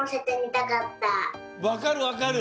わかるわかる。